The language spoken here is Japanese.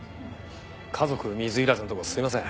家族水入らずのとこすいません。